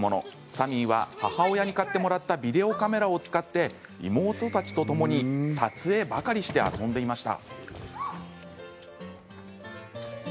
サミーは母親に買ってもらったビデオカメラを使って妹たちとともに撮影ばかりして遊んでいました。